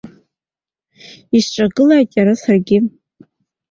Исҿагылааит иара саргьы.